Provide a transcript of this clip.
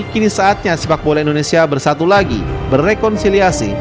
kini saatnya sepak bola indonesia bersatu lagi berrekonsiliasi